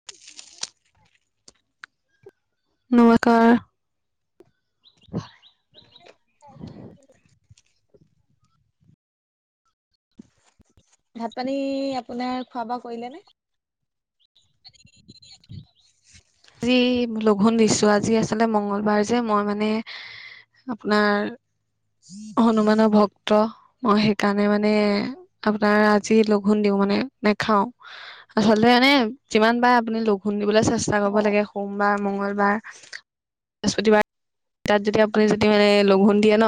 [unintelligible] নৈ কাৰ। [inaudible] ভাত -পানী আপোনাৰ, খোৱা-বোৱা কৰিলে নে? [inaudible] আজি লঘোণ দিছোঁ, আজি আচলতে মঙলবাৰ যে মই মানে আপোনাৰ, হনুমানৰ ভক্ত। মই সেইকাৰণে মানে, আপোনাৰ আজি লঘোণ দিওঁ মানে নেখাও। আচলতে মানে যিমান পাৰে আপুনি লঘোণ দিবলৈ চেষ্টা কৰিব। অ লাগে, সোমবাৰ, মংগলবাৰ, বৃস্পতিবাৰ তাত যদি আপুনি যদি মানে লঘোণ দিয়ে ন।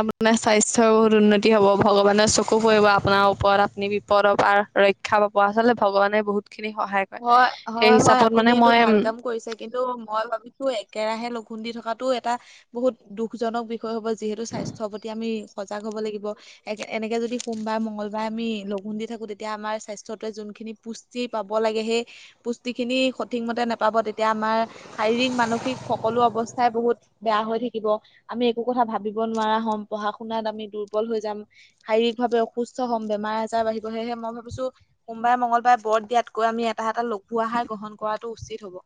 আপোনাৰ স্বাস্থ্যৰ বহুত উন্নতি হ'ব, ভগৱানে চকু পৰিব আপোনাৰ ওপৰত আপুনি বিপদৰ পৰা ৰক্ষা পাব, আচলতে ভগৱানে বহুত খিনি সহায় কৰে সেই হিচাপত মানে টো ভাল মই কাম কৰিছে, কিন্তু মই ভাবিছোঁ একেৰাহে লঘুণ দি থকাটো এটা বহুত দুখ জনক। বিষয় হ'ব, যিহেতু স্বাস্থ্যৰ প্ৰতি আমি সজাগ হ'ব লাগিব। এনেকে যদি আমি সোমবাৰ, মঙ্গলবাৰ আমি লঘোণ দি থাকো, তেতিয়া আমাৰ স্বাস্থ্যটোৱে যোনখিনি পুষ্টি পাব। লাগে, সেই পুষ্টি খিনি সঠিক মতে নেপাব। তেতিয়া আমাৰ শাৰীৰিক-মানসিক সকলো অৱস্থাই বহুত বেয়া হৈ থাকিব। আমি একো কথা ভাবিব নোৱাৰা হ'ম। পঢ়া-শুনাত আমি দুৰ্বল হৈ যাম। শাৰীৰিক ভাৱে অসুস্থ হ'ম। বেমাৰ-আজাৰ বাঢ়িব, সেয়েহে মই ভাবিছোঁ সোমবাৰে, মঙলবাৰে বৰত দিয়াত কৈ আমি এটা এটা লঘু আহাৰ গ্ৰহণ কৰাটো উচিত হ'ব।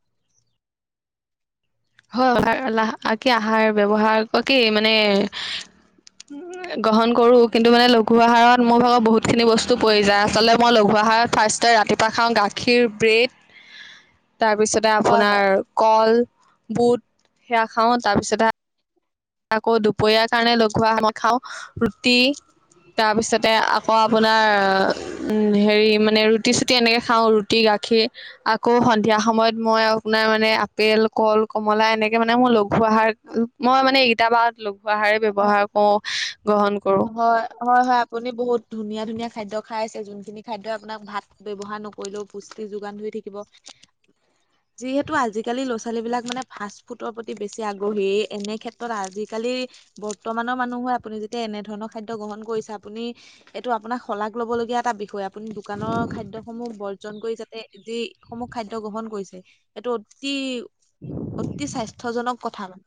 হয়, আহাৰ কি আহাৰ ব্যৱহাৰ কি মানে গ্ৰহণ কৰো, কিন্তু মানে লঘু আহাৰত মোৰ ভাগত বহুতখিনি বস্তু পৰি যায়। আচলতে মই লঘু আহাৰত ফাৰ্ষ্টত ৰাতি এটা খাওঁ গাখীৰ, ব্ৰেড [inaudible] তাৰপিছতে হয় হয়। আপোনাৰ কল, বুট সেয়া খাওঁ। তাৰ পিছতে আকৌ দুপৰীয়াৰ কাৰণে লঘু আহাৰ মই খাওঁ ৰুটি। তাৰপিছতে আকৌ আপোনাৰ হেৰি মানে ৰুটি চুটি এনেকৈ খাওঁ। ৰুটি গাখীৰ। আকৌ সন্ধিয়া সময়ত মই আপোনাৰ মানে আপেল, কল, কমলা এনেকে মানে মোৰ লঘু আহাৰ মই মানে এইকেইটা মাহত লঘু আহাৰেই ব্যৱহাৰ কৰো গ্ৰহন কৰো। হয়, হয়, হয় আপুনি বহুত ধুনীয়া ধুনীয়া খাদ্য খাই আছে যোনখিনি খাদ্যই আপোনাক ভাত ব্যৱহাৰ নকৰিলেও পুষ্টি যোগান ধৰি থাকিব। যিহেতু আজিকালি ল'ৰা ছোৱালীবিলাক মানে ফাষ্ট ফুডৰ প্ৰতি বেছি আগ্ৰহী এনে ক্ষেত্ৰত আজিকালি বৰ্তমানৰ মানুহ হয় আপুনি যেতিয়া এনে ধৰণৰ খাদ্য গ্ৰহণ কৰিছে আপুনি এইটো আপোনাক শলাগ ল'ব লগীয়া এটা বিষয়। আপুনি দোকানৰ খাদ্যসমূহ ব বৰ্জন কৰি যাতে যি সমূহ খাদ্য গ্ৰহণ কৰিছে সেইটো অতি অতি স্বাস্থ্যজনক কথা মানে।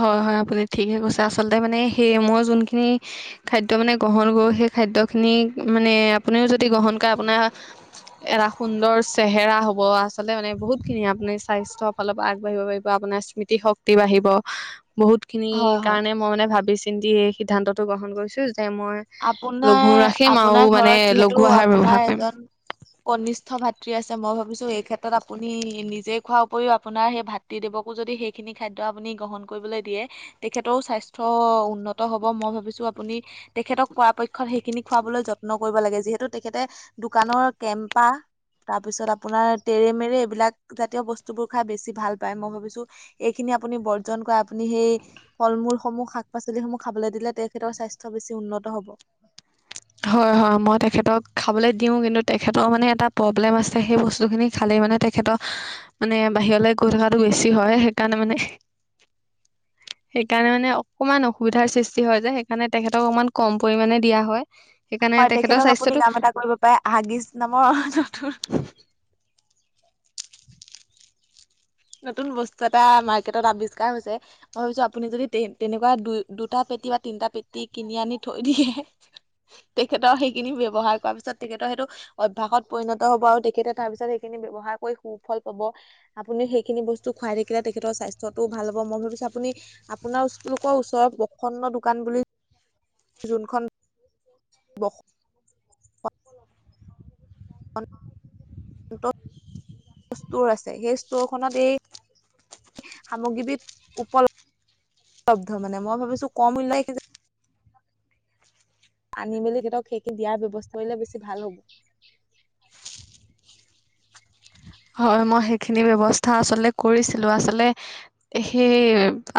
হয়, হয় আপুনি ঠিকে কৈছে। আচলতে মানে সেই মই যোনখিনি খাদ্য মানে গ্ৰহণ কৰো সেই খাদ্যখিনি মানে আপুনিও যদি গ্ৰহণ কৰে আপোনাৰ এঢ়া সুন্দৰ চেহেৰা হ'ব আচলতে মানে বহুতখিনি আপুনি স্বাস্থ্য অলপ আগবাঢ়িব পাৰিব আপোনাৰ স্মৃতি শক্তি তি বাঢ়িব বহুতখিনি হয় হয় কাৰণে মই মানে ভাবি চিন্তি সিদ্ধান্তটো গ্ৰহণ কৰিছো যে মই লঘু আপোনাৰ ৰাখিম আৰু আপোনাৰ মানে ঘৰত লঘু যিহেতু আহাৰ আপোনাৰ ব্যৱহাৰ কৰিম এজন কনিষ্ঠ ভাতৃ আছে মই ভাবিছো এই ক্ষেত্ৰত আপুনি নিজে খোৱাৰ উপৰিও আপোনাৰ সেই ভাত তি দেৱকো যদি সেইখিনি খাদ্য আপুনি গ্ৰহণ কৰিবলৈ দিয়ে। তেখেতৰ স্বাস্থ্য উন্নত হ'ব মই ভাবিছো আপুনি তেখেতক পৰাপক্ষত সেইখিনি খুৱাবলৈ যত্ন কৰিব লাগে। যিহেতু তেখেতে দোকানৰ কেম্পা তাৰ পিছত আপোনাৰ তেৰেমেৰে এইবিলাক জাতীয় বস্তুবোৰ খাই বেছি ভাল পায়। মই ভাবিছো এইখিনি আপুনি বৰ্জন কৰে আপুনি সেই ফল মূল সমূহ শাক পাচলিসমূহ খাবলৈ দিলে তেখেতৰ স্বাস্থ্য বেছি উন্নত হ'ব। হয়, হয় মই তেখেতক খাবলৈ দিওঁ। কিন্তু তেখেতৰ মানে এটা প্ৰব্লেম আছে সেই বস্তুখিনি খালে মানে তেখে তেখেত মানে বাহিৰলৈ গৈ থকাটো বেছি হয়। সেইকাৰণে মানে [inaudible] সেইকাৰণে মানে অকনমান অসুবিধাৰ সৃষ্টি হয় যে সেইকাৰণে তেখেতক অকমান কম পৰিমানে দিয়া হয়। সেইকাৰণে হয়, তেখেতৰ তেখেতক আপুনি স্বাস্থ্যটো কাম এটা কৰিব পাৰে হাগিছ নামৰ [unintelligible] নতুন বস্তু এটা মাৰ্কেটত আৱিষ্কাৰ হৈছে। মই ভাবিছো আপুনি যদি তে-তেনেকুৱা দু-দুটা পেটি বা তিনটা পেটি কিনি আনি থৈ দিয়ে। তেখেতৰ সেইখিনি ব্যৱহাৰ কৰাৰ পিছত তেখেতৰ সেইটো অভ্যাসত পৰিণত হ'ব আৰু তেখেতে তাৰপিছত সেইখিনি ব্যৱহাৰ কৰি সুফল পাব। আপুনি সেই খিনি বস্তু খুৱাই থাকিলে তেখেতৰ স্বাস্থ্যটো ভাল হ'ব। মই ভাবিছো আপুনি আপোনাৰলোকৰ ওচৰত প্ৰসন্ন দোকান বুলি যোনখন [inaudible] ষ্ট'ৰ আছে সেই ষ্ট'ৰখনত এই সামগ্ৰীবিধ উপলব্ধ মানে। মই ভাবিছো কম মূল্য আনি মেলি তেখেতক সেইখিনি দিয়াৰ ব্যৱস্থা কৰিলে বেছি ভাল হ'ব। হয়, মই সেইখিনি ব্যৱস্থা আচলতে কৰিছিলো। আচলতে সেই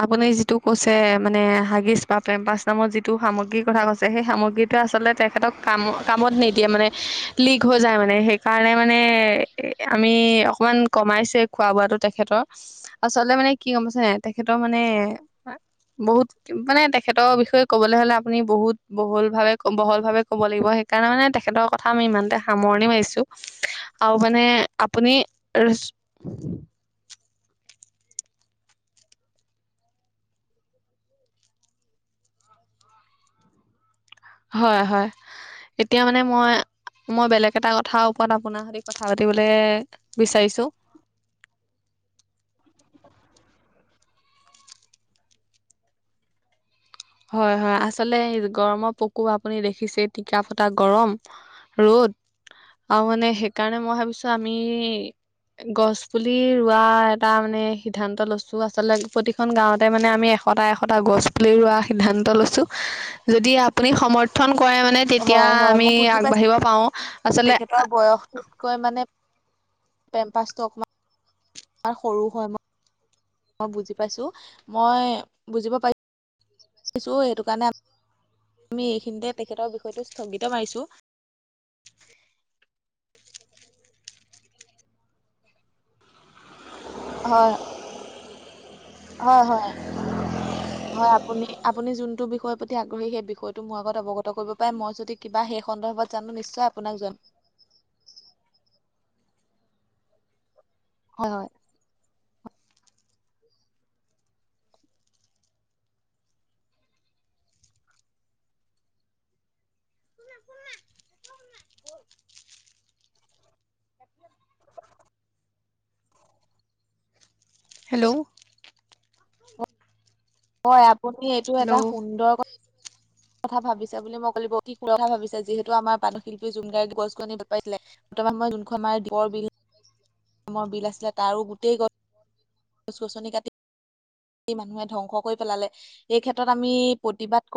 আপুনি যিটো কৈছে মানে হাগিছ বা পেম্পাচ নামত যিটো সামগ্ৰীৰ কথা কৈছে সেই সামগ্ৰীটোৱে আচলতে তেখেতক কাম কামত নিদিয়ে মানে লিক হৈ যায় মানে সেইকাৰণে মানে আমি অকমান কমাইছে খোৱা বোৱাটো তেখেতক। আচলতে মানে কি গম পাইছে নে নাই তেখেতৰ মানে বহুত মানে তেখেতৰ বিষয়ে ক'বলৈ হলে আপুনি বহুত বহুল ভাৱে বহল ভাৱে ক'ব লাগিব। সেইকাৰণে মানে, তেখেতৰ কথা আমি ইমানতে সামৰণি মাৰিছোঁ আৰু মানে আপুনি [unintelligible] হয়, হয়, এতিয়া মানে মই মই বেলেগ এটা কথাৰ ওপৰত আপোনাৰ সৈতে কথা পাতিবলে বিচাৰিছো। হয়, হয়, আচলতে গৰমৰ আপুনি দেখিছে টিকা ফটা গৰম। ৰ'দ আৰু মানে সেইকাৰণে মই ভাবিছো আমি গছ পুলি ৰোৱা এটা মানে, সিদ্ধান্ত লৈছো আচলতে প্ৰতি খন গাঁৱতে মানে আমি এটা এশটা গছ পুলি ৰুৱা সিদ্ধান্ত লৈছোঁ যদি আপুনি সমৰ্থন কৰেই মানে তেতিয়া হয় হয় আমি মই বুজি আগবাঢ়িব পাৰো আচলতে কৈ মানে অকমান সৰু হয় ম মই বুজি পাইছো, মই বুজিব পাইছো ছো সেইটো কাৰণে আমি এইখিনিতে তেখেতৰ বিষয়টো স্থগিত মাৰিছো হয়। হয়, হয়। হয়, আপুনি আপুনি যোনটো বিষয়ৰ প্ৰতি আগ্ৰহী সেই বিষয়টো মোৰ আগত অৱগত কৰিব পাৰে মই যদি কিবা সেই সন্দৰ্ভত জানো নিশ্চয় আপোনাক জন হয়, হয়। শুনা, শুনা [unintelligible] হেল্ল' হয়, আপুনি এইটো এটা হেল্ল' সুন্দৰ কথা কথা ভাবিছে, বুলি মই কল অতি সুৰ কথা ভাবিছে যিহেতু আমাৰ প্ৰানৰ শিল্পী জুবিন গাৰ্গ গছ গ আনি ভাল পাইছিলে। বৰ্তমান মই যোনখন আমাৰ বৰবিল ৰ বিল আছিলে তাৰো গোটেই গছ গছ গছনি কাটি মানুহে ধ্বংস কৰি পেলালে, এই ক্ষেত্ৰত আমি প্ৰতিবাদ